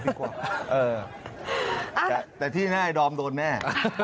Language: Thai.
เออแต่ที่หน้าไอ้ดอมโดนแม่